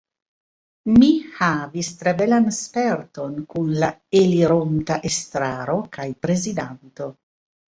Mi havis tre belan sperton kun la elironta Estraro kaj Prezidanto.